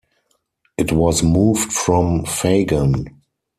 It was moved from Fagan.